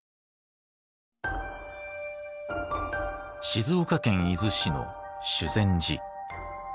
静岡県伊豆市の修善寺。